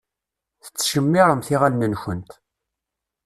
Tettcemmiṛemt iɣallen-nkent.